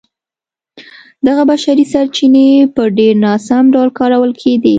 دغه بشري سرچینې په ډېر ناسم ډول کارول کېدې.